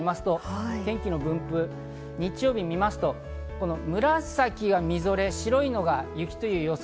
天気の分布、日曜日を見ますと紫がみぞれ、白いのが雪という予想。